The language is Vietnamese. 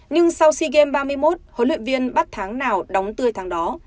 nhưng sau sea games ba mươi một huấn luyện viên bắt tháng nào đóng tươi tháng đó